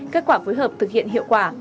kết quả phối hợp thực hiện hiệu quả